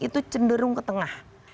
itu cenderung ke tengah